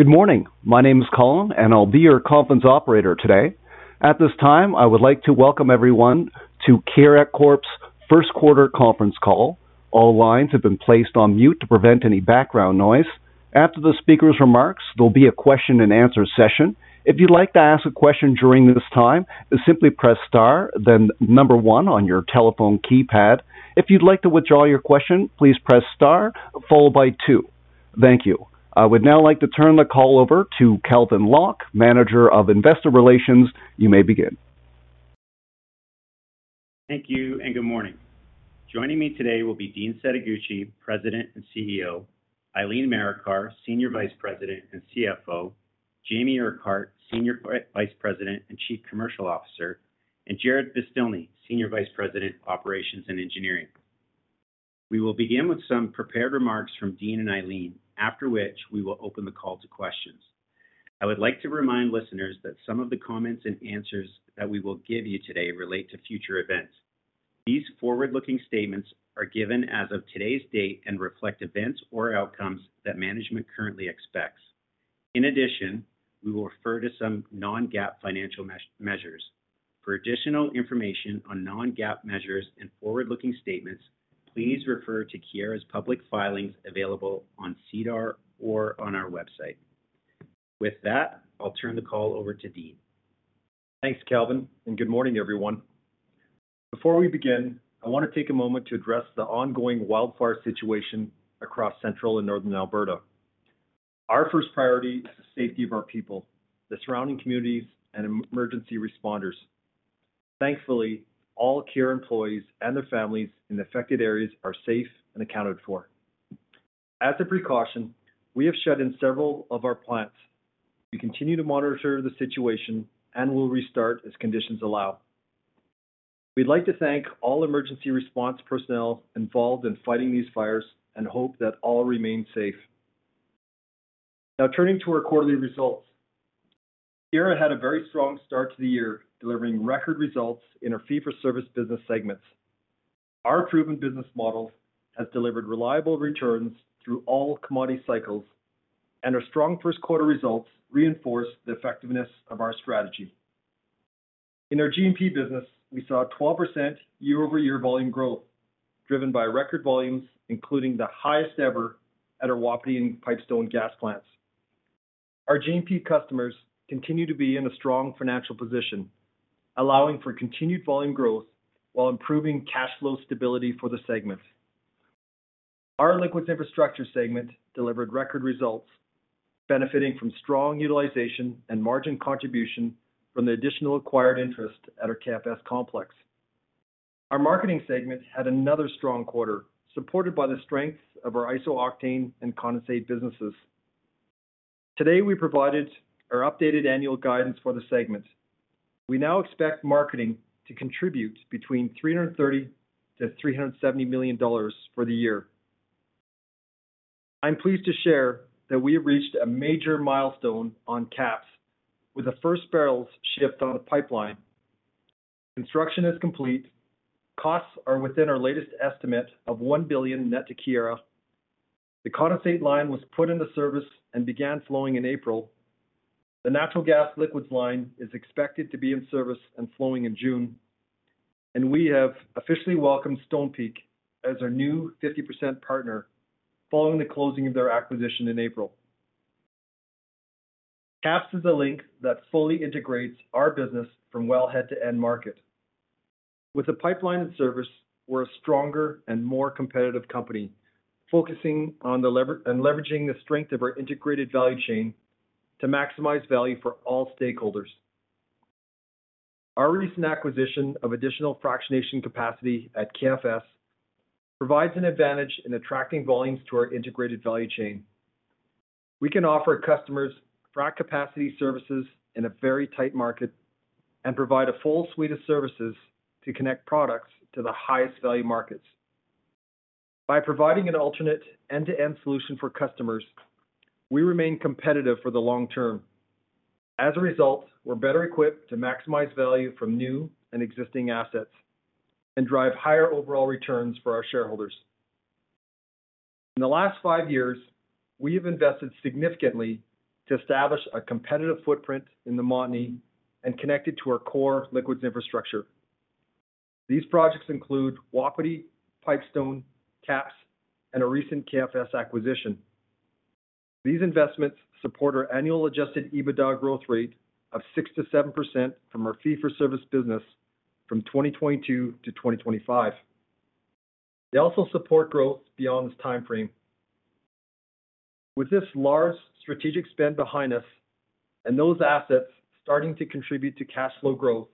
Good morning. My name is Colin, and I'll be your conference operator today. At this time, I would like to welcome everyone to Keyera Corp.'s First Quarter Conference Call. All lines have been placed on mute to prevent any background noise. After the speaker's remarks, there'll be a question-and-answer session. If you'd like to ask a question during this time, simply press star then number one on your telephone keypad. If you'd like to withdraw your question, please press star followed by two. Thank you. I would now like to turn the call over to Calvin Locke, Manager of Investor Relations. You may begin. Thank you. Good morning. Joining me today will be Dean Setoguchi, President and CEO, Eileen Marikar, Senior Vice President and CFO, Jamie Urquhart, Senior Vice President and Chief Commercial Officer, and Jarrod Beztilny, Senior Vice President, Operations and Engineering. We will begin with some prepared remarks from Dean and Eileen, after which we will open the call to questions. I would like to remind listeners that some of the comments and answers that we will give you today relate to future events. These forward-looking statements are given as of today's date and reflect events or outcomes that management currently expects. We will refer to some non-GAAP financial measures. For additional information on non-GAAP measures and forward-looking statements, please refer to Keyera's public filings available on SEDAR or on our website. With that, I'll turn the call over to Dean. Thanks, Calvin, and good morning, everyone. Before we begin, I wanna take a moment to address the ongoing wildfire situation across Central and Northern Alberta. Our first priority is the safety of our people, the surrounding communities, and emergency responders. Thankfully, all Keyera employees and their families in the affected areas are safe and accounted for. As a precaution, we have shut in several of our plants. We continue to monitor the situation and will restart as conditions allow. We'd like to thank all emergency response personnel involved in fighting these fires and hope that all remain safe. Turning to our quarterly results. Keyera had a very strong start to the year, delivering record results in our fee for service business segments. Our proven business model has delivered reliable returns through all commodity cycles, and our strong first quarter results reinforce the effectiveness of our strategy. In our G&P business, we saw a 12% year-over-year volume growth, driven by record volumes, including the highest ever at our Wapiti and Pipestone gas plants. Our G&P customers continue to be in a strong financial position, allowing for continued volume growth while improving cash flow stability for the segments. Our liquids infrastructure segment delivered record results, benefiting from strong utilization and margin contribution from the additional acquired interest at our KFS complex. Our marketing segment had another strong quarter, supported by the strength of our iso-octane and condensate businesses. Today, we provided our updated annual guidance for the segment. We now expect marketing to contribute between 330 million-370 million dollars for the year. I'm pleased to share that we have reached a major milestone on KAPS with the first barrels shipped on the pipeline. Construction is complete. Costs are within our latest estimate of 1 billion net to Keyera. The condensate line was put into service and began flowing in April. The natural gas liquids line is expected to be in service and flowing in June. We have officially 50% partner following the closing of their acquisition in April. KAPS is a link that fully integrates our business from wellhead to end market. With the pipeline in service, we're a stronger and more competitive company, focusing on and leveraging the strength of our integrated value chain to maximize value for all stakeholders. Our recent acquisition of additional fractionation capacity at KFS provides an advantage in attracting volumes to our integrated value chain. We can offer customers frac capacity services in a very tight market and provide a full suite of services to connect products to the highest value markets. By providing an alternate end-to-end solution for customers, we remain competitive for the long term. As a result, we're better equipped to maximize value from new and existing assets and drive higher overall returns for our shareholders. In the last five years, we have invested significantly to establish a competitive footprint in the Montney and connect it to our core liquids infrastructure. These projects include Wapiti, Pipestone, KAPS, and our recent KFS acquisition. These investments support our annual adjusted EBITDA growth rate of 6%-7% from our fee for service business from 2022 to 2025. They also support growth beyond this timeframe. With this large strategic spend behind us and those assets starting to contribute to cash flow growth,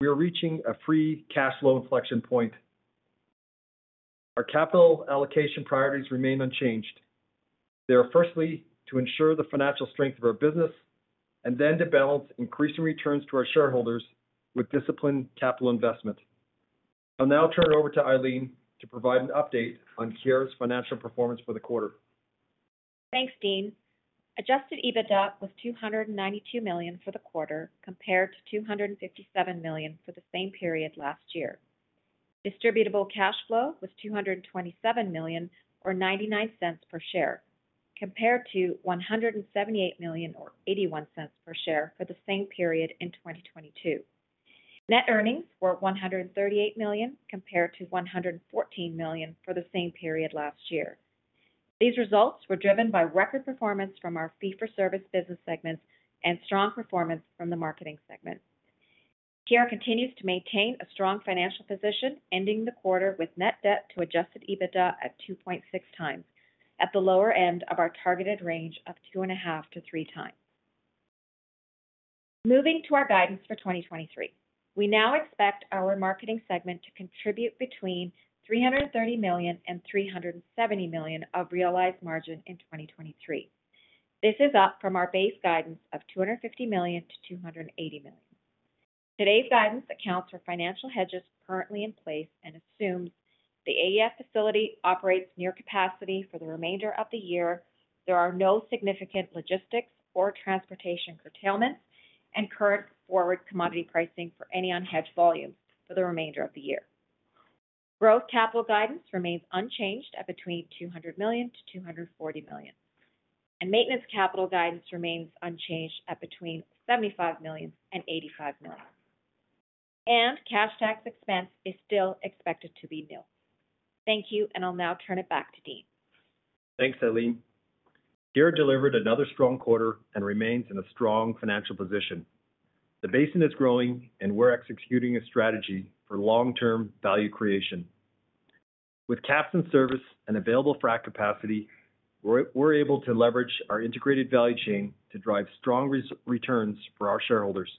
we are reaching a free cash flow inflection point. Our capital allocation priorities remain unchanged. They are firstly to ensure the financial strength of our business and then to balance increasing returns to our shareholders with disciplined capital investment. I'll now turn it over to Eileen to provide an update on Keyera's financial performance for the quarter. Thanks, Dean. Adjusted EBITDA was CAD 292 million for the quarter compared to CAD 257 million for the same period last year. Distributable cash flow was CAD 227 million or 0.99 per share, compared to CAD 178 million or 0.81 per share for the same period in 2022. Net earnings were CAD 138 million compared to CAD 114 million for the same period last year. These results were driven by record performance from our fee for service business segments and strong performance from the marketing segment. Keyera continues to maintain a strong financial position, ending the quarter with net debt to adjusted EBITDA at 2.6x, at the lower end of our targeted range of 2.5x-3x. Moving to our guidance for 2023. We now expect our marketing segment to contribute between 330 million and 370 million of realized margin in 2023. This is up from our base guidance of 250 million-280 million. Today's guidance accounts for financial hedges currently in place and assumes the AEF facility operates near capacity for the remainder of the year, there are no significant logistics or transportation curtailments, and current forward commodity pricing for any unhedged volume for the remainder of the year. Growth capital guidance remains unchanged at between 200 million and 240 million, and maintenance capital guidance remains unchanged at between 75 million and 85 million. Cash tax expense is still expected to be nil. Thank you, and I'll now turn it back to Dean. Thanks, Eileen. Keyera delivered another strong quarter and remains in a strong financial position. The basin is growing, we're executing a strategy for long-term value creation. With KAPS in service and available frac capacity, we're able to leverage our integrated value chain to drive strong returns for our shareholders.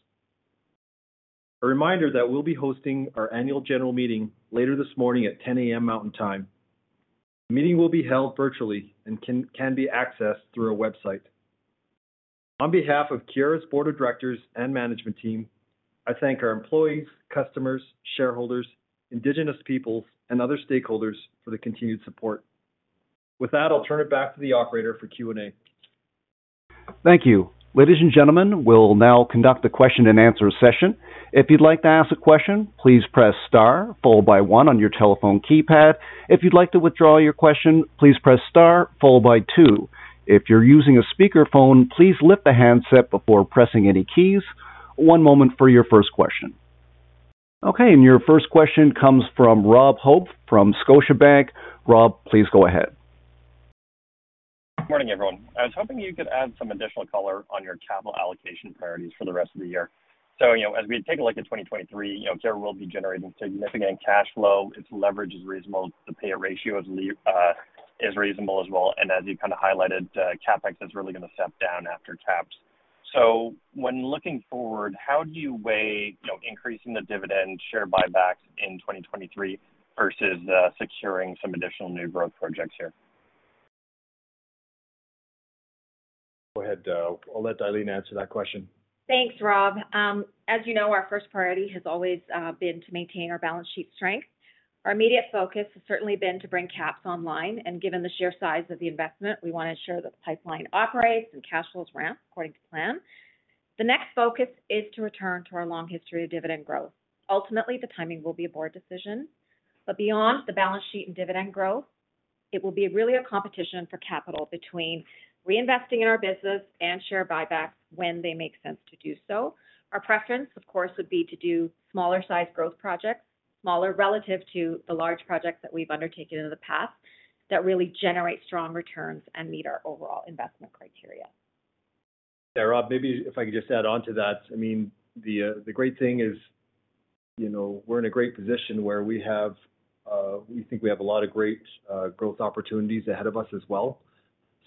A reminder that we'll be hosting our annual general meeting later this morning at 10:00 A.M. Mountain Time. The meeting will be held virtually, can be accessed through our website. On behalf of Keyera's Board of Directors and management team, I thank our employees, customers, shareholders, Indigenous peoples, and other stakeholders for the continued support. With that, I'll turn it back to the operator for Q&A. Thank you. Ladies and gentlemen, we'll now conduct a question-and-answer session. If you'd like to ask a question, please press star followed by one on your telephone keypad. If you'd like to withdraw your question, please press star followed by two. If you're using a speakerphone, please lift the handset before pressing any keys. One moment for your first question. Okay, your first question comes from Robert Hope from Scotiabank. Rob, please go ahead. Good morning, everyone. I was hoping you could add some additional color on your capital allocation priorities for the rest of the year. You know, as we take a look at 2023, you know, Keyera will be generating significant cash flow. Its leverage is reasonable. The payer ratio is reasonable as well. As you kinda highlighted, CapEx is really gonna step down after KAPS. When looking forward, how do you weigh, you know, increasing the dividend share buybacks in 2023 versus securing some additional new growth projects here? Go ahead, I'll let Eileen answer that question. Thanks, Rob. As you know, our first priority has always been to maintain our balance sheet strength. Our immediate focus has certainly been to bring KAPS online, and given the sheer size of the investment, we wanna ensure that the pipeline operates and cash flows ramp according to plan. The next focus is to return to our long history of dividend growth. Ultimately, the timing will be a board decision. Beyond the balance sheet and dividend growth, it will be really a competition for capital between reinvesting in our business and share buybacks when they make sense to do so. Our preference, of course, would be to do smaller-sized growth projects, smaller relative to the large projects that we've undertaken in the past, that really generate strong returns and meet our overall investment criteria. Yeah, Rob, maybe if I could just add on to that. I mean, the great thing is, you know, we're in a great position where we have, we think we have a lot of great growth opportunities ahead of us as well.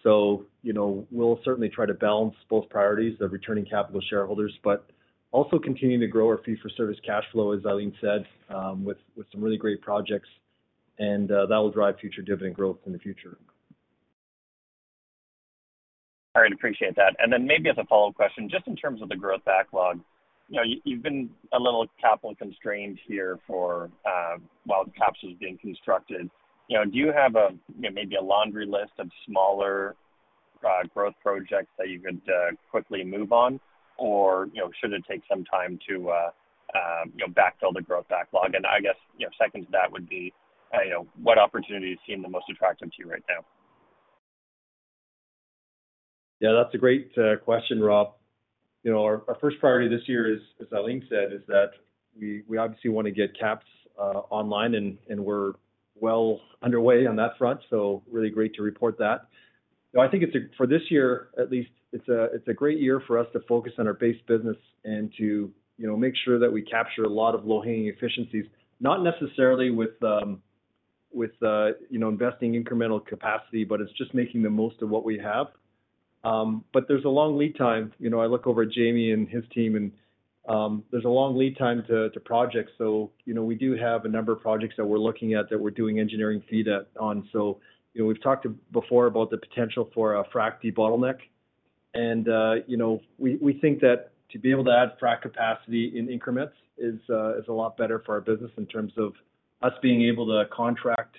You know, we'll certainly try to balance both priorities of returning capital to shareholders, but also continuing to grow our fee-for-service cash flow, as Eileen said, with some really great projects, and that will drive future dividend growth in the future. All right. Appreciate that. Maybe as a follow-up question, just in terms of the growth backlog, you know, you've been a little capital constrained here for while the KAPS is being constructed. You know, do you have a, you know, maybe a laundry list of smaller growth projects that you could quickly move on? Or, you know, should it take some time to, you know, backfill the growth backlog? I guess, you know, second to that would be, you know, what opportunities seem the most attractive to you right now? Yeah, that's a great question, Rob. You know, our first priority this year is, as Eileen said, is that we obviously wanna get KAPS online and we're well underway on that front, so really great to report that. You know, I think it's a for this year, at least, it's a, it's a great year for us to focus on our base business and to, you know, make sure that we capture a lot of low-hanging efficiencies, not necessarily with, you know, investing incremental capacity, but it's just making the most of what we have. There's a long lead time. You know, I look over at Jamie and his team and, there's a long lead time to projects. You know, we do have a number of projects that we're looking at that we're doing engineering FEED on. You know, we've talked before about the potential for a fractionation bottleneck. You know, we think that to be able to add frac capacity in increments is a lot better for our business in terms of us being able to contract,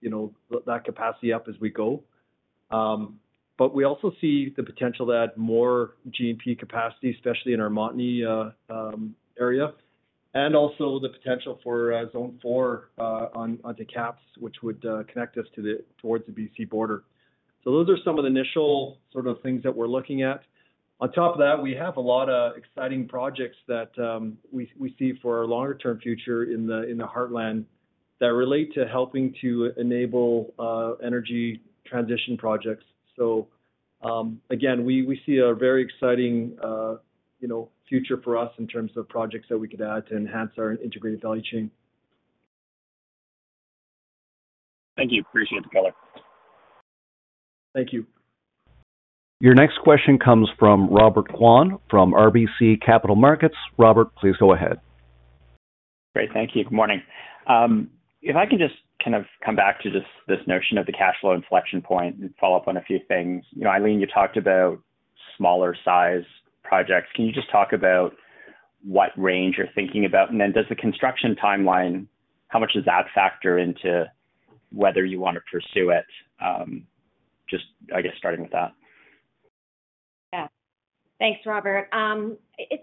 you know, that capacity up as we go. We also see the potential to add more G&P capacity, especially in our Montney area, and also the potential for Zone 4 on, onto KAPS, which would connect us to the, towards the BC border. Those are some of the initial sort of things that we're looking at. On top of that, we have a lot of exciting projects that we see for our longer term future in the heartland that relate to helping to enable energy transition projects. Again, we see a very exciting, you know, future for us in terms of projects that we could add to enhance our integrated value chain. Thank you. Appreciate the color. Thank you. Your next question comes from Robert Kwan from RBC Capital Markets. Robert, please go ahead. Great. Thank you. Good morning. If I can just kind of come back to this notion of the cash flow inflection point and follow up on a few things. You know, Eileen, you talked about smaller size projects. Can you just talk about what range you're thinking about? Then does the construction timeline, how much does that factor into whether you want to pursue it? Just, I guess, starting with that. Yeah, thanks, Robert. It's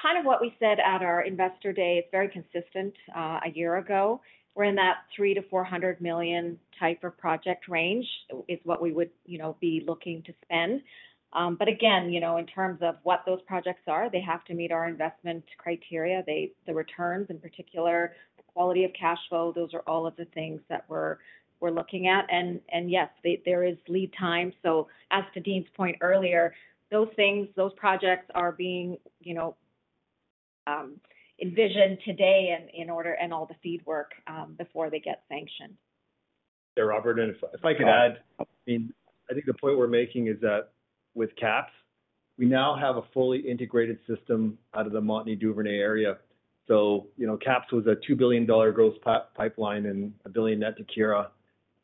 kind of what we said at our investor day. It's very consistent a year ago. We're in that 300 million-400 million type of project range is what we would, you know, be looking to spend. Again, you know, in terms of what those projects are, they have to meet our investment criteria. The returns, in particular, the quality of cash flow, those are all of the things that we're looking at. Yes, there is lead time. As to Dean's point earlier, those things, those projects are being, you know, envisioned today in order and all the FEED work before they get sanctioned. Yeah, Robert, if I could add, I mean, I think the point we're making is that with KAPS, we now have a fully integrated system out of the Montney Duvernay area. You know, KAPS was a 2 billion dollar gross pipeline and a 1 billion net to Keyera.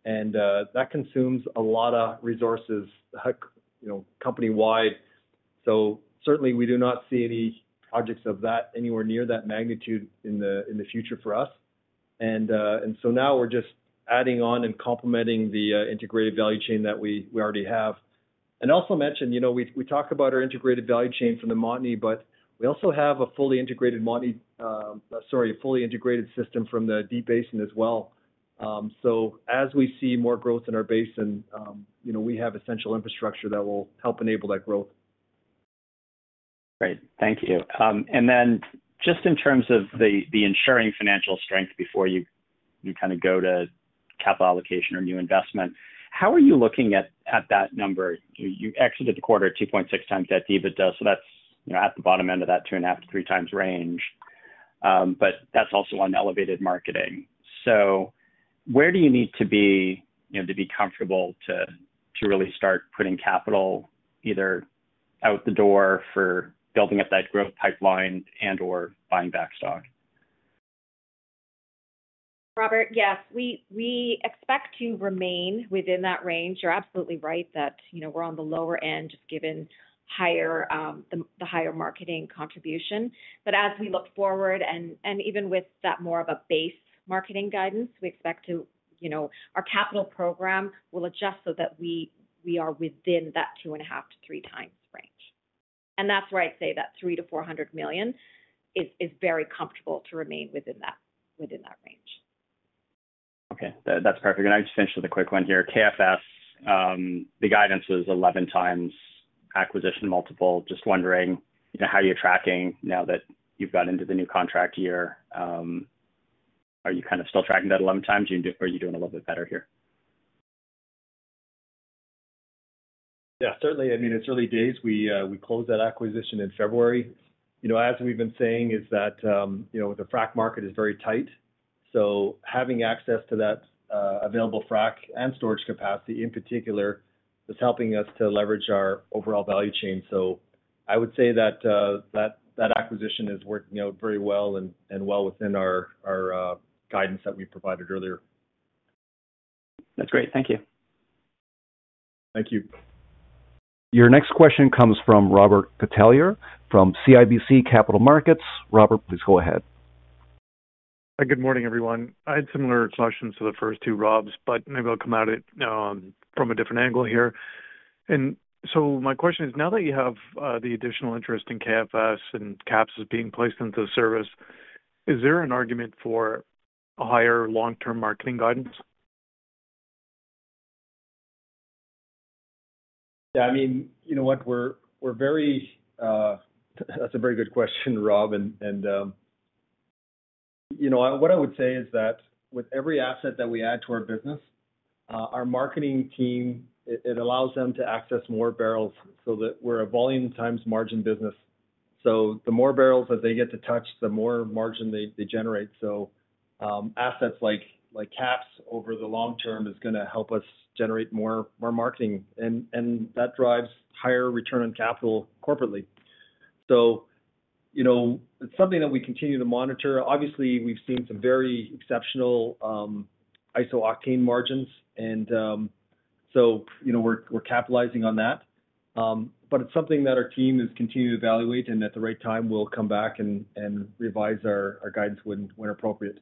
That consumes a lot of resources, you know, company-wide. Certainly we do not see any projects of that, anywhere near that magnitude in the future for us. Now we're just adding on and complementing the integrated value chain that we already have. Also mention, you know, we talked about our integrated value chain from the Montney, but we also have a fully integrated Montney, sorry, a fully integrated system from the Deep Basin as well. As we see more growth in our basin, you know, we have essential infrastructure that will help enable that growth. Great. Thank you. Just in terms of the ensuring financial strength before you kind of go to capital allocation or new investment, how are you looking at that number? You exited the quarter 2.6x that EBITDA, so that's, you know, at the bottom end of that 2.5x-3x range. That's also on elevated marketing. Where do you need to be, you know, to be comfortable to really start putting capital either out the door for building up that growth pipeline and/or buying back stock? Robert, yes. We expect to remain within that range. You're absolutely right that, you know, we're on the lower end, just given the higher marketing contribution. As we look forward and even with that more of a base marketing guidance, we expect to, you know, our capital program will adjust so that we are within that 2.5x-3x range. That's where I'd say that 300 million-400 million is very comfortable to remain within that, within that range. Okay. That's perfect. I'll just finish with a quick one here. KFS, the guidance was 11x acquisition multiple. Just wondering how you're tracking now that you've got into the new contract year. Are you kind of still tracking that 11x or are you doing a little bit better here? Yeah, certainly. I mean, it's early days. We closed that acquisition in February. You know, as we've been saying is that, you know, the frac market is very tight. Having access to that available frac and storage capacity in particular is helping us to leverage our overall value chain. I would say that acquisition is working out very well and well within our guidance that we provided earlier. That's great. Thank you. Thank you. Your next question comes from Robert Catellier from CIBC Capital Markets. Robert, please go ahead. Good morning, everyone. I had similar questions to the first two Robs, but maybe I'll come at it from a different angle here. My question is, now that you have the additional interest in KFS and KAPS is being placed into service, is there an argument for a higher long-term marketing guidance? Yeah, I mean, you know what, we're very. That's a very good question, Rob. You know, what I would say is that with every asset that we add to our business, our marketing team, it allows them to access more barrels so that we're a volume times margin business. The more barrels that they get to touch, the more margin they generate. Assets like KAPS over the long term is gonna help us generate more marketing, and that drives higher return on capital corporately. You know, it's something that we continue to monitor. Obviously, we've seen some very exceptional iso-octane margins. You know, we're capitalizing on that. It's something that our team is continuing to evaluate, and at the right time, we'll come back and revise our guidance when appropriate.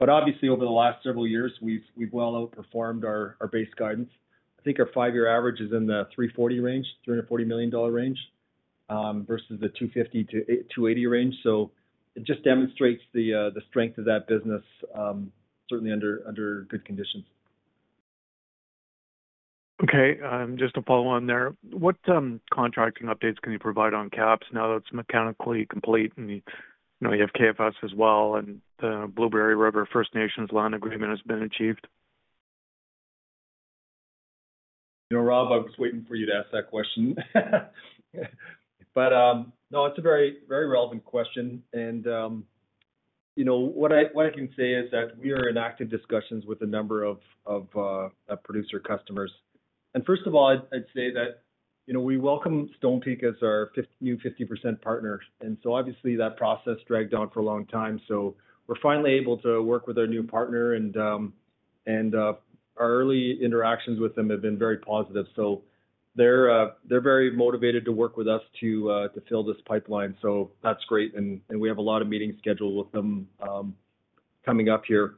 Obviously, over the last several years, we've well outperformed our base guidance. I think our five-year average is in the 340 range, 340 million dollar range, versus the 250 million-280 million range. It just demonstrates the strength of that business, certainly under good conditions. Okay. Just to follow on there, what contracting updates can you provide on KAPS now that it's mechanically complete and, you know, you have KFS as well, and the Blueberry River First Nations land agreement has been achieved? You know, Rob, I was waiting for you to ask that question. No, it's a very, very relevant question and, you know, what I can say is that we are in active discussions with a number of producer customers. First of all, I'd say that, you know, we welcome Stonepeak as our new 50% partner. Obviously that process dragged on for a long time. We're finally able to work with our new partner and our early interactions with them have been very positive. They're very motivated to work with us to fill this pipeline. That's great. We have a lot of meetings scheduled with them coming up here.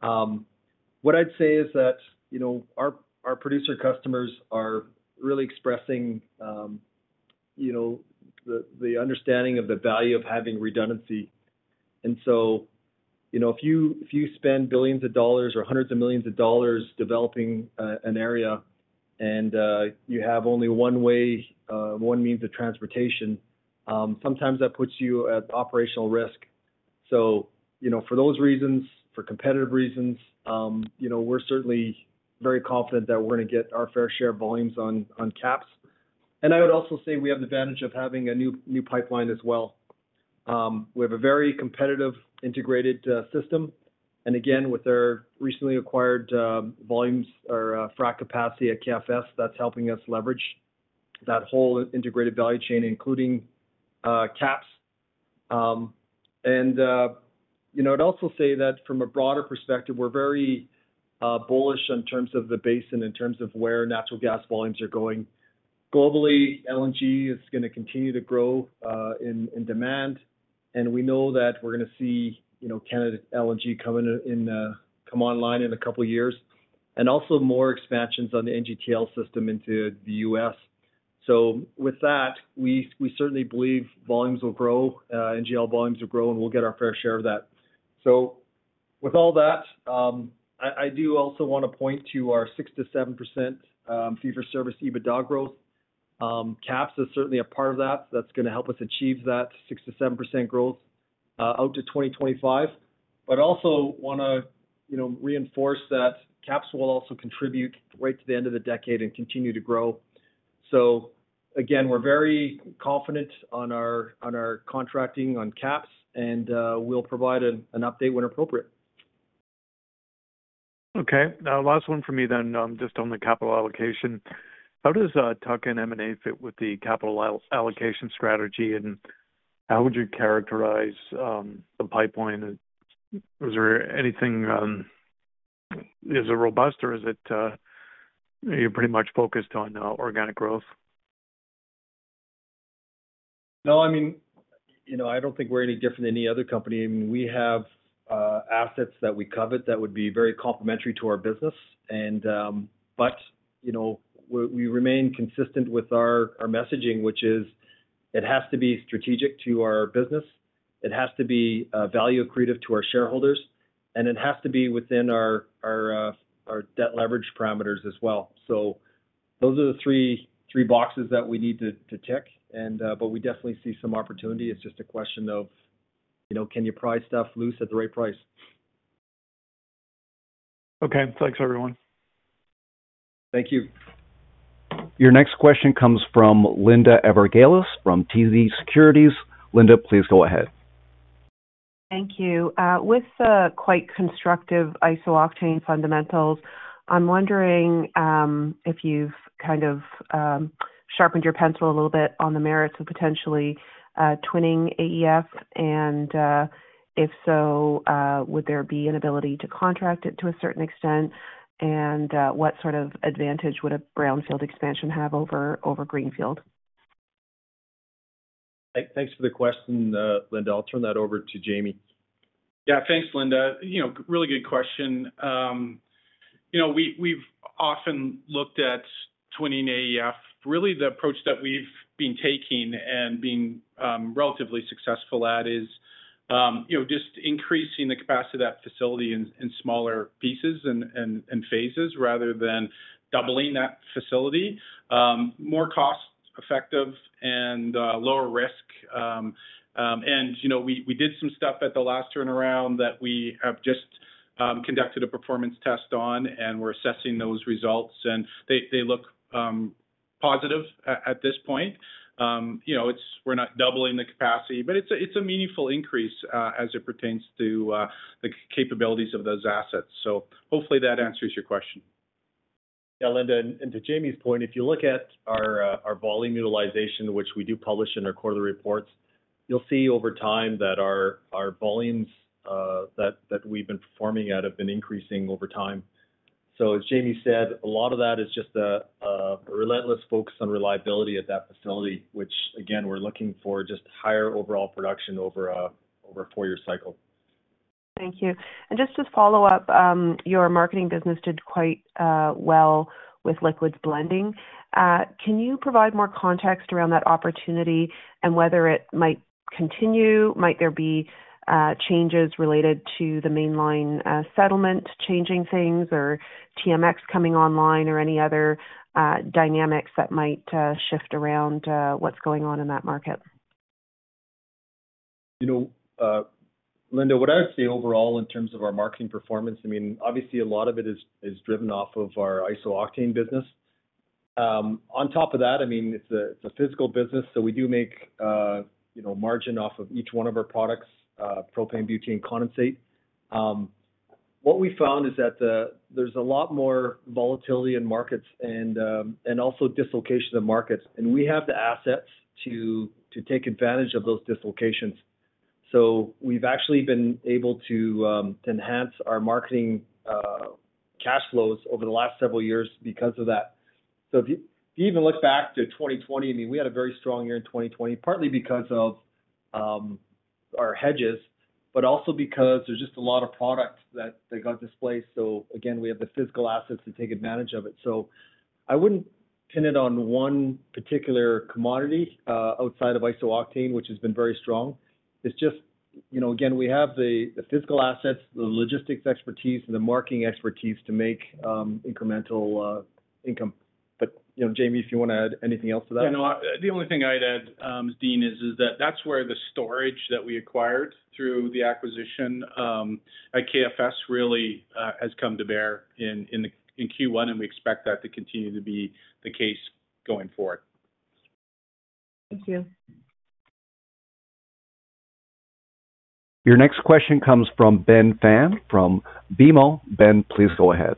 What I'd say is that, you know, our producer customers are really expressing, you know, the understanding of the value of having redundancy. You know, if you, if you spend billions of dollars or CAD hundreds of millions of dollars developing an area and you have only one way, one means of transportation, sometimes that puts you at operational risk. You know, for those reasons, for competitive reasons, you know, we're certainly very confident that we're gonna get our fair share of volumes on KAPS. I would also say we have the advantage of having a new pipeline as well. We have a very competitive integrated system. Again, with our recently acquired volumes or frac capacity at KFS, that's helping us leverage that whole integrated value chain, including KAPS. you know, I'd also say that from a broader perspective, we're very bullish in terms of the basin, in terms of where natural gas volumes are going. Globally, LNG is gonna continue to grow in demand, and we know that we're gonna see, you know, LNG Canada coming in, come online in a couple of years, and also more expansions on the NGTL system into the U.S. With that, we certainly believe volumes will grow, NGL volumes will grow, and we'll get our fair share of that. With all that, I do also wanna point to our 6%-7% fee-for-service EBITDA growth. KAPS is certainly a part of that. That's gonna help us achieve that 6%-7% growth out to 2025. Also wanna, you know, reinforce that KAPS will also contribute right to the end of the decade and continue to grow. Again, we're very confident on our contracting on KAPS, and we'll provide an update when appropriate. Okay. Last one for me then, just on the capital allocation. How does Tuck In M&A fit with the capital all-allocation strategy, and how would you characterize the pipeline? Is there anything... Is it robust, or is it, are you pretty much focused on organic growth? No, I mean, you know, I don't think we're any different than any other company. I mean, we have assets that we covet that would be very complementary to our business and, you know, we remain consistent with our messaging, which is it has to be strategic to our business. It has to be value accretive to our shareholders, and it has to be within our debt leverage parameters as well. Those are the three boxes that we need to tick and we definitely see some opportunity. It's just a question of, you know, can you pry stuff loose at the right price? Okay. Thanks, everyone. Thank you. Your next question comes from Linda Ezergailis from TD Securities. Linda, please go ahead. Thank you. With the quite constructive iso-octane fundamentals, I'm wondering, if you've kind of, sharpened your pencil a little bit on the merits of potentially, twinning AEF, if so, would there be an ability to contract it to a certain extent? What sort of advantage would a brownfield expansion have over greenfield? Thanks for the question, Linda. I'll turn that over to Jamie. Yeah. Thanks, Linda. You know, really good question. You know, we've often looked at twinning AEF. Really the approach that we've been taking and being relatively successful at is, you know, just increasing the capacity of that facility in smaller pieces and phases rather than doubling that facility. More cost-effective and lower risk. You know, we did some stuff at the last turnaround that we have just conducted a performance test on, and we're assessing those results, and they look positive at this point. You know, it's, we're not doubling the capacity, but it's a, it's a meaningful increase, as it pertains to the capabilities of those assets. Hopefully that answers your question. Yeah, Linda. To Jamie's point, if you look at our volume utilization, which we do publish in our quarterly reports. You'll see over time that our volumes that we've been performing at have been increasing over time. As Jamie said, a lot of that is just a relentless focus on reliability at that facility, which again, we're looking for just higher overall production over a four-year cycle. Thank you. Just to follow up, your marketing business did quite well with liquids blending. Can you provide more context around that opportunity and whether it might continue? Might there be changes related to the Mainline settlement changing things, or TMX coming online or any other dynamics that might shift around what's going on in that market? You know, Linda, what I would say overall in terms of our marketing performance, I mean, obviously a lot of it is driven off of our iso-octane business. On top of that, I mean, it's a, it's a physical business, so we do make, you know, margin off of each one of our products, propane, butane, condensate. What we found is that there's a lot more volatility in markets and also dislocation of markets, and we have the assets to take advantage of those dislocations. We've actually been able to enhance our marketing cash flows over the last several years because of that. If you even look back to 2020, I mean, we had a very strong year in 2020, partly because of our hedges, but also because there's just a lot of product that got displaced. Again, we have the physical assets to take advantage of it. I wouldn't pin it on one particular commodity outside of iso-octane, which has been very strong. It's just, you know, again, we have the physical assets, the logistics expertise, and the marketing expertise to make incremental income. You know, Jamie, if you wanna add anything else to that. The only thing I'd add, Dean, is that that's where the storage that we acquired through the acquisition, at KFS really, has come to bear in Q1, and we expect that to continue to be the case going forward. Thank you. Your next question comes from Ben Pham from BMO. Ben, please go ahead.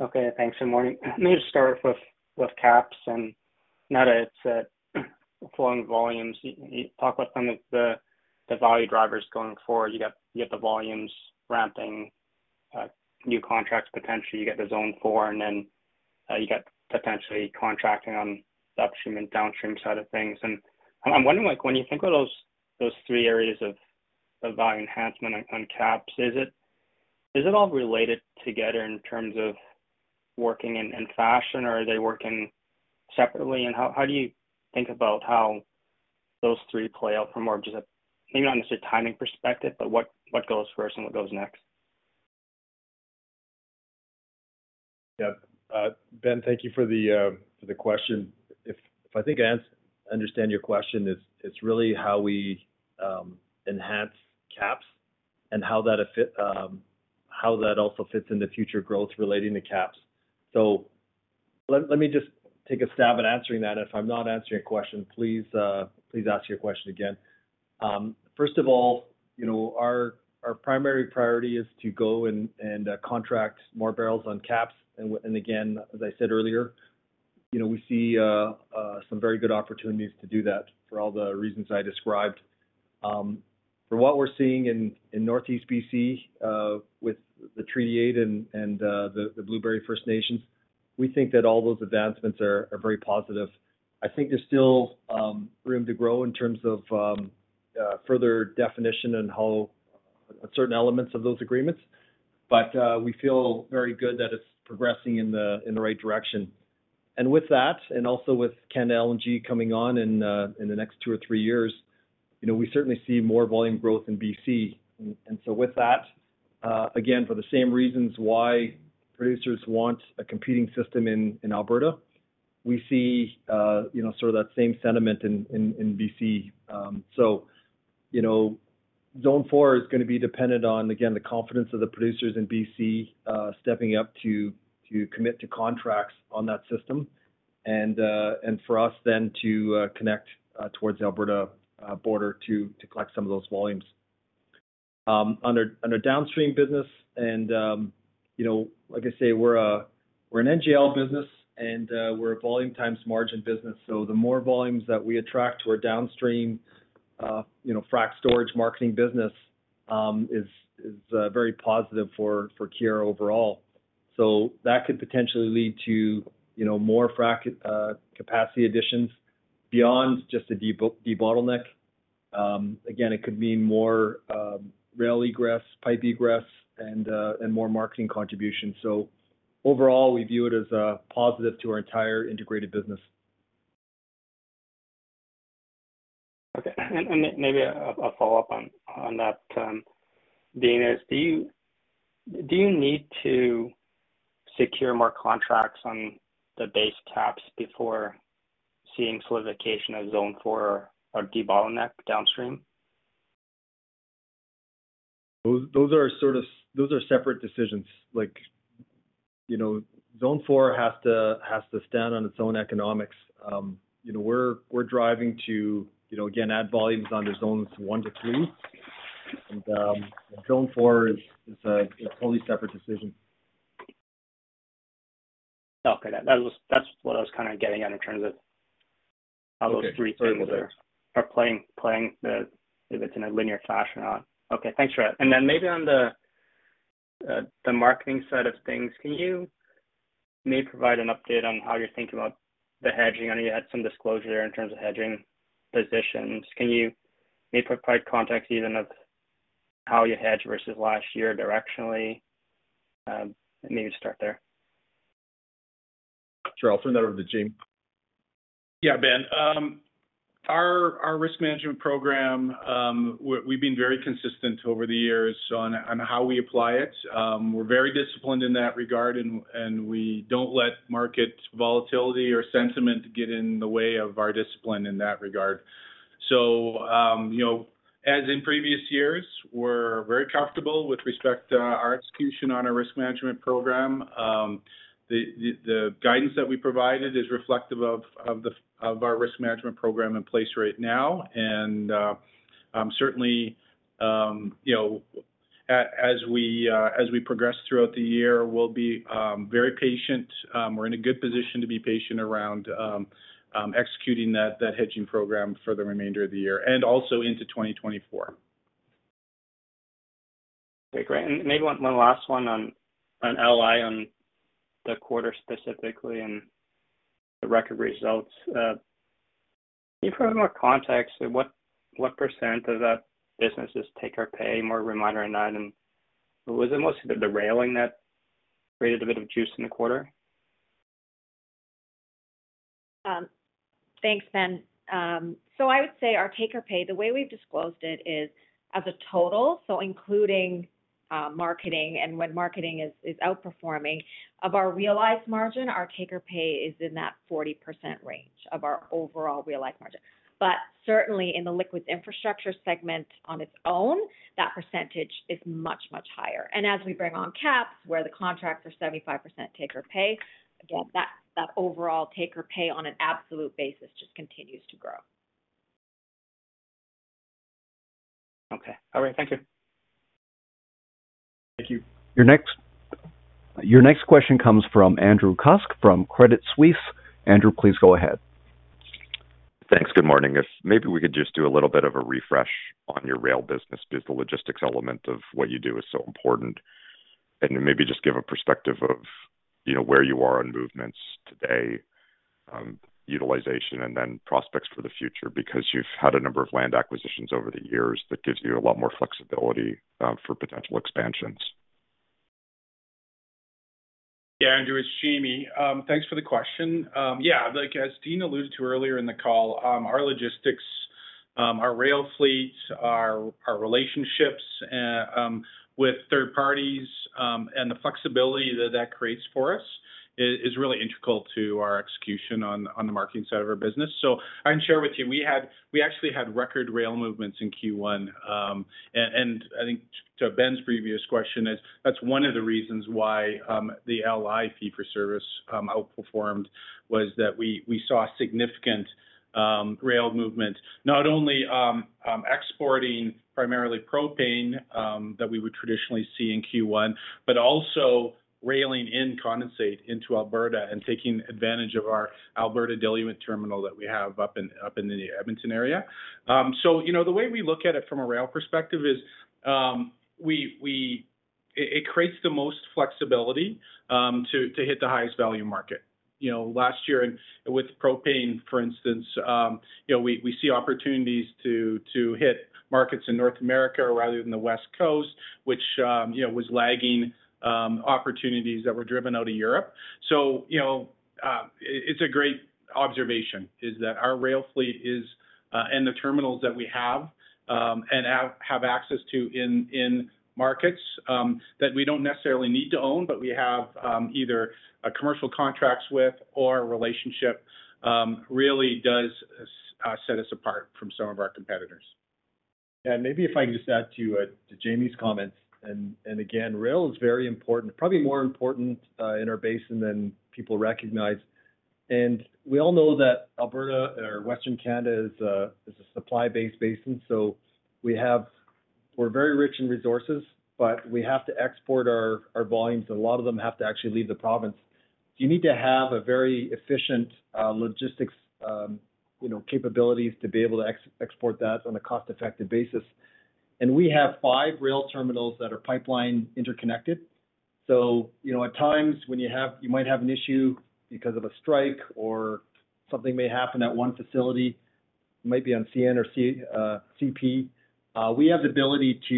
Okay. Thanks, and morning. Let me just start with KAPS now that it's flowing volumes. Can you talk about some of the value drivers going forward? You got the volumes ramping, new contracts potentially. You get the Zone 4, then you got potentially contracting on the upstream and downstream side of things. I'm wondering, like when you think of those three areas of value enhancement on KAPS, is it all related together in terms of working in fashion, or are they working separately? How do you think about how those three play out from more of just a, maybe not necessarily a timing perspective, but what goes first and what goes next? Yeah. Ben, thank you for the question. If I think I understand your question, it's really how we enhance KAPS and how that also fits into future growth relating to KAPS. Let me just take a stab at answering that. If I'm not answering your question, please ask your question again. First of all, you know, our primary priority is to go and contract more barrels on KAPS. Again, as I said earlier, you know, we see some very good opportunities to do that for all the reasons I described. From what we're seeing in Northeast BC, with the Treaty 8 and the Blueberry First Nations, we think that all those advancements are very positive. I think there's still room to grow in terms of further definition on how certain elements of those agreements. We feel very good that it's progressing in the right direction. With that, and also with LNG Canada coming on in the next 2 or 3 years, you know, we certainly see more volume growth in BC. With that, again, for the same reasons why producers want a competing system in Alberta, we see, you know, sort of that same sentiment in BC. You know, Zone 4 is going to be dependent on, again, the confidence of the producers in BC, stepping up to commit to contracts on that system. For us then to connect towards the Alberta border to collect some of those volumes. On our downstream business and, you know, like I say, we're an NGL business and we're a volume times margin business, so the more volumes that we attract to our downstream, you know, frac storage marketing business, is very positive for Keyera overall. That could potentially lead to, you know, more frac capacity additions beyond just the debottleneck. Again, it could mean more rail egress, pipe egress and more marketing contributions. Overall, we view it as a positive to our entire integrated business. Okay. And maybe a follow-up on that, Dean, is do you, do you need to secure more contracts on the base KAPS before seeing solidification of Zone 4 or debottleneck downstream? Those are separate decisions. Like, you know, Zone 4 has to stand on its own economics. You know, we're driving to, you know, again, add volumes onto zones 1 to 3. Zone 4 is a totally separate decision. Okay. That's what I was kinda getting at in terms of how those three things are playing the... if it's in a linear fashion or not. Okay. Thanks for that. Then maybe on the marketing side of things, can you maybe provide an update on how you're thinking about the hedging? I know you had some disclosure in terms of hedging positions. Can you maybe provide context even of how you hedge versus last year directionally? Maybe start there. Sure. I'll turn that over to Jamie. Yeah, Ben. Our risk management program, we've been very consistent over the years on how we apply it. We're very disciplined in that regard and we don't let market volatility or sentiment get in the way of our discipline in that regard. You know, as in previous years, we're very comfortable with respect to our execution on our risk management program. The guidance that we provided is reflective of the, of our risk management program in place right now. Certainly, you know, as we progress throughout the year, we'll be very patient. We're in a good position to be patient around executing that hedging program for the remainder of the year and also into 2024. Okay, great. Maybe one last one on LI on the quarter specifically and the record results. Can you provide more context to what percent of that business is take or pay, more reminder on that? Was it mostly the railing that created a bit of juice in the quarter? Thanks, Ben. I would say our take-or-pay, the way we've disclosed it is as a total, including marketing and when marketing is outperforming. Of our realized margin, our take-or-pay is in that 40% range of our overall realized margin. Certainly in the liquids infrastructure segment on its own, that percentage is much higher. As we bring on KAPS where the contracts are 75% take-or-pay, again, that overall take-or-pay on an absolute basis just continues to grow. Okay. All right. Thank you. Thank you. Your next question comes from Andrew Kuske from Credit Suisse. Andrew, please go ahead. Thanks. Good morning. If maybe we could just do a little bit of a refresh on your rail business because the logistics element of what you do is so important. And maybe just give a perspective of, you know, where you are on movements today, utilization, and then prospects for the future because you've had a number of land acquisitions over the years that gives you a lot more flexibility for potential expansions. Yeah. Andrew, it's Jamie. Thanks for the question. Yeah, like as Dean alluded to earlier in the call, our logistics, our rail fleets, our relationships with third parties, and the flexibility that creates for us is really integral to our execution on the marketing side of our business. I can share with you, we actually had record rail movements in Q1. I think to Ben's previous question is that's one of the reasons why the LI fee for service outperformed was that we saw significant rail movement, not only exporting primarily propane that we would traditionally see in Q1, but also railing in condensate into Alberta and taking advantage of our Alberta Diluent Terminal that we have up in the Edmonton area. You know, the way we look at it from a rail perspective is, it creates the most flexibility to hit the highest value market. You know, last year with propane, for instance, you know, we see opportunities to hit markets in North America rather than the West Coast, which, you know, was lagging, opportunities that were driven out of Europe. You know, it's a great observation, is that our rail fleet is, and the terminals that we have, and have access to in markets, that we don't necessarily need to own, but we have, either a commercial contracts with or relationship, really does set us apart from some of our competitors. Yeah. Maybe if I can just add to Jamie's comments, again, rail is very important, probably more important, in our basin than people recognize. We all know that Alberta or Western Canada is a supply-based basin. We're very rich in resources, but we have to export our volumes. A lot of them have to actually leave the province. You need to have a very efficient logistics, you know, capabilities to be able to export that on a cost-effective basis. We have 5 rail terminals that are pipeline interconnected. You know, at times when you might have an issue because of a strike or something may happen at one facility, might be on CN or CP. We have the ability to,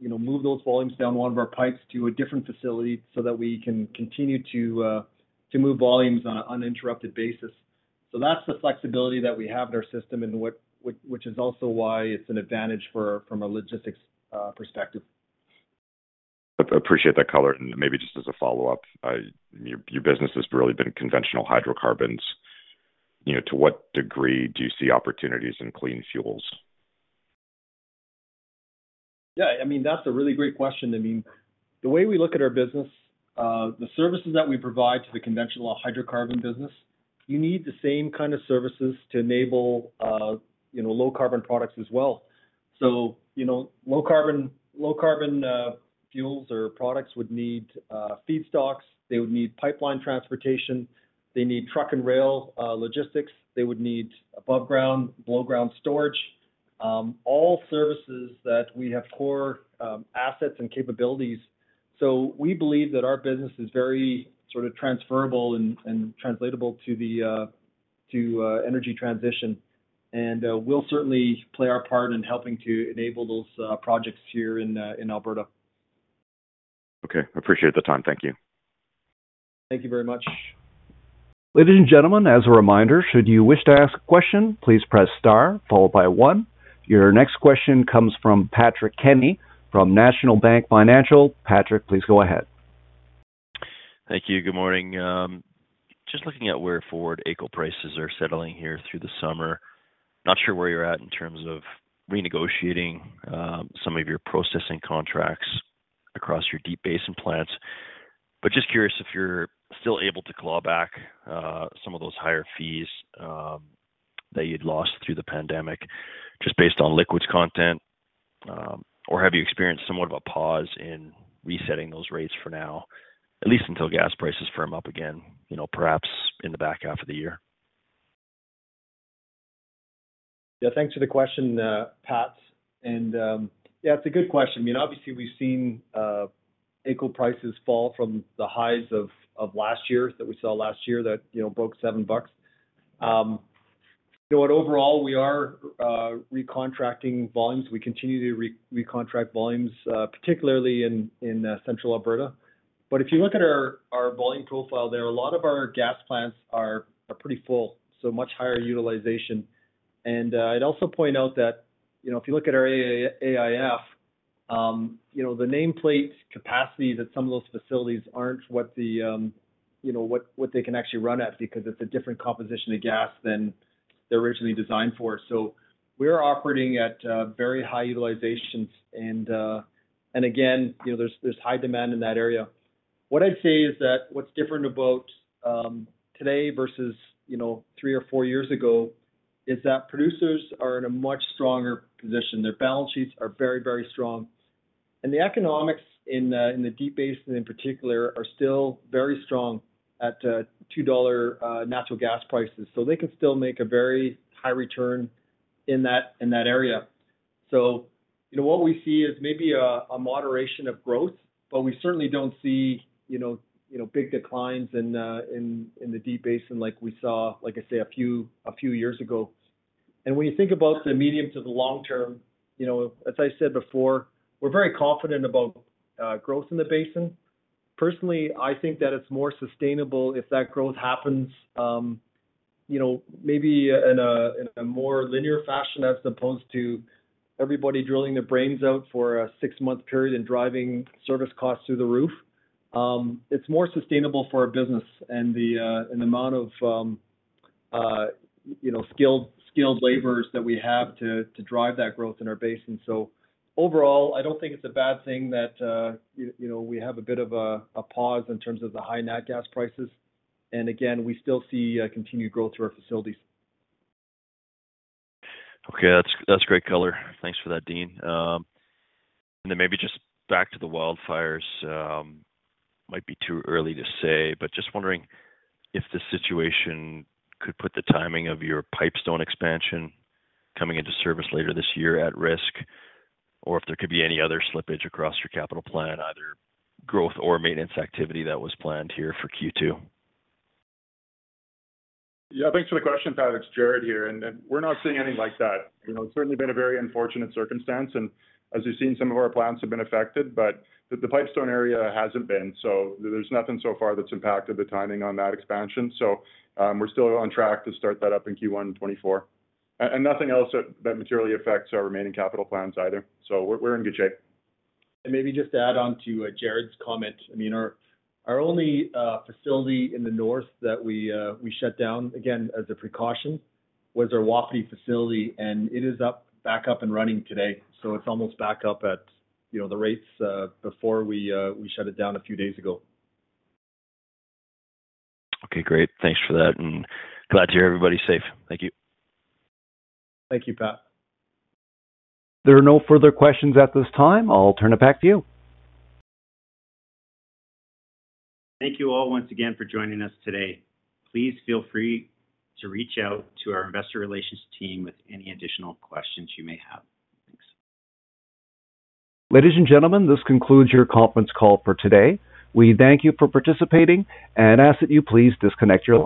you know, move those volumes down one of our pipes to a different facility so that we can continue to move volumes on an uninterrupted basis. That's the flexibility that we have in our system and which is also why it's an advantage from a logistics perspective. Appreciate that color. Maybe just as a follow-up, your business has really been conventional hydrocarbons. You know, to what degree do you see opportunities in clean fuels? I mean, that's a really great question. I mean, the way we look at our business, the services that we provide to the conventional hydrocarbon business. You need the same kind of services to enable, you know, low carbon products as well. You know, low carbon fuels or products would need feedstocks, they would need pipeline transportation, they need truck and rail logistics. They would need above ground, below ground storage, all services that we have core assets and capabilities. We believe that our business is very sort of transferable and translatable to the energy transition. We'll certainly play our part in helping to enable those projects here in Alberta. Okay. Appreciate the time. Thank you. Thank you very much. Ladies and gentlemen, as a reminder, should you wish to ask a question, please press star followed by one. Your next question comes from Patrick Kenny from National Bank Financial. Patrick, please go ahead. Thank you. Good morning. Just looking at where forward AECO prices are settling here through the summer. Not sure where you're at in terms of renegotiating some of your processing contracts across your Deep Basin plants. Just curious if you're still able to claw back some of those higher fees that you'd lost through the pandemic just based on liquids content. Have you experienced somewhat of a pause in resetting those rates for now, at least until gas prices firm up again, you know, perhaps in the back half of the year? Thanks for the question, Pat. It's a good question. I mean, obviously, we've seen AECO prices fall from the highs of last year that we saw last year that, you know, broke 7 bucks. Overall, we are recontracting volumes. We continue to recontract volumes, particularly in Central Alberta. If you look at our volume profile there, a lot of our gas plants are pretty full, so much higher utilization. I'd also point out that, you know, if you look at our AIF, you know, the nameplate capacity that some of those facilities aren't what the, you know, what they can actually run at because it's a different composition of gas than they're originally designed for. We're operating at very high utilizations. Again, you know, there's high demand in that area. What I'd say is that what's different about today versus, you know, 3 or 4 years ago, is that producers are in a much stronger position. Their balance sheets are very strong. The economics in the Deep Basin in particular, are still very strong 2 dollar natural gas prices. They can still make a very high return in that area. You know, what we see is maybe a moderation of growth, but we certainly don't see, you know, big declines in the Deep Basin like we saw, like I say, a few years ago. When you think about the medium to the long term, you know, as I said before, we're very confident about growth in the basin. Personally, I think that it's more sustainable if that growth happens, you know, maybe in a more linear fashion as opposed to everybody drilling their brains out for a 6-month period and driving service costs through the roof. It's more sustainable for our business and the amount of, you know, skilled laborers that we have to drive that growth in our basin. Overall, I don't think it's a bad thing that, you know, we have a bit of a pause in terms of the high nat gas prices. Again, we still see continued growth through our facilities. Okay. That's great color. Thanks for that, Dean. Maybe just back to the wildfires, might be too early to say, but just wondering if the situation could put the timing of your Pipestone expansion coming into service later this year at risk, or if there could be any other slippage across your capital plan, either growth or maintenance activity that was planned here for Q2. Yeah, thanks for the question, Pat. It's Jarrod here, and we're not seeing anything like that. You know, it's certainly been a very unfortunate circumstance. As you've seen, some of our plants have been affected, but the Pipestone area hasn't been. There's nothing so far that's impacted the timing on that expansion. We're still on track to start that up in Q1 2024. Nothing else that materially affects our remaining capital plans either. We're in good shape. Maybe just to add on to Jarrod's comment. I mean, our only facility in the north that we shut down, again, as a precaution, was our Wapiti facility, and it is back up and running today. It's almost back up at, you know, the rates before we shut it down a few days ago. Okay, great. Thanks for that. glad to hear everybody's safe. Thank you. Thank you, Pat. There are no further questions at this time. I'll turn it back to you. Thank you all once again for joining us today. Please feel free to reach out to our investor relations team with any additional questions you may have. Thanks. Ladies and gentlemen, this concludes your conference call for today. We thank you for participating and ask that you please disconnect your line.